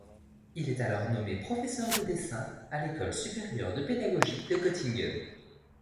Il est alors nommé professeur de dessin à l'école supérieure de pédagogie de Göttingen.